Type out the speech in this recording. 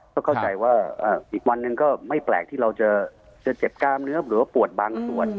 ก็เข้าใจว่าอีกวันหนึ่งก็ไม่แปลกที่เราจะเจ็บกล้ามเนื้อหรือว่าปวดบางส่วน